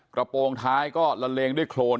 โปรงท้ายก็ละเลงด้วยโครน